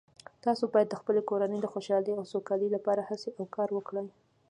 تاسو باید د خپلې کورنۍ د خوشحالۍ او سوکالۍ لپاره هڅې او کار وکړئ